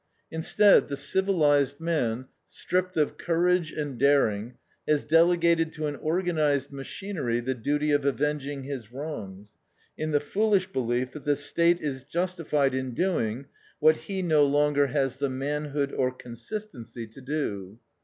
Instead, the civilized man, stripped of courage and daring, has delegated to an organized machinery the duty of avenging his wrongs, in the foolish belief that the State is justified in doing what he no longer has the manhood or consistency to do.